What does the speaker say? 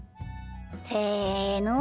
せの。